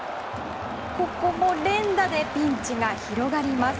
ここも連打でピンチが広がります。